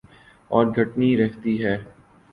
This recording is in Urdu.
اور گھٹتی رہتی ہے